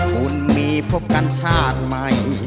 คุณมีพบกันชาติใหม่